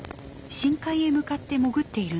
深海へ向かって潜っているのです。